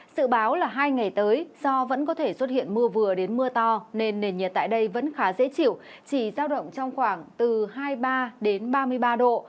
sự báo là hai ngày tới do vẫn có thể xuất hiện mưa vừa đến mưa to nên nền nhiệt tại đây vẫn khá dễ chịu chỉ giao động trong khoảng từ hai mươi ba đến ba mươi ba độ